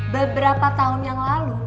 beberapa tahun yang lalu